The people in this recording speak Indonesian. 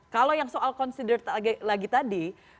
kalau yang soal consider lagi tadi